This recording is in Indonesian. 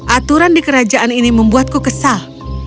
aturan di kerajaan ini membuatku kesal